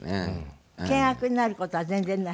険悪になる事は全然ない？